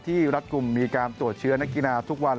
รัฐกลุ่มมีการตรวจเชื้อนักกีฬาทุกวัน